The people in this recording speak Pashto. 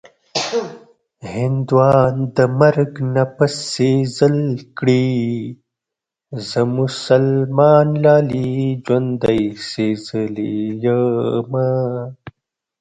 هندوان د مرګ نه پس سېزل کړي-زه مسلمان لالي ژوندۍ سېزلې یمه